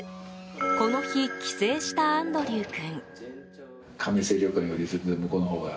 この日帰省したアンドリュウ君。